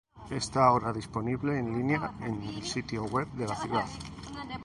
Está ahora disponible en línea en el sitio web de la ciudad.